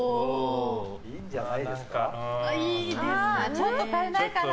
ちょっと足りないかな？